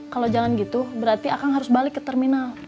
kalau jangan gitu berarti akang harus balik ke terminal